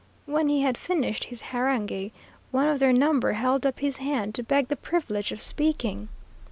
When he had finished his harangue, one of their number held up his hand to beg the privilege of speaking.